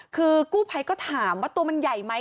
คือกู้ภัยก็ถามว่าตัวมันใหญ่ไหม